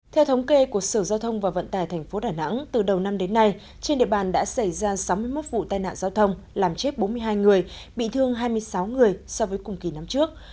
theo thống kê của sở giao thông và vận tài tp đà nẵng từ đầu năm đến nay trên địa bàn đã xảy ra sáu mươi một vụ tai nạn giao thông làm chết bốn mươi hai người bị thương hai mươi sáu người so với cùng kỳ năm trước